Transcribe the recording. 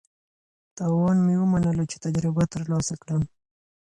تاوان مې ومنلو چې تجربه ترلاسه کړم.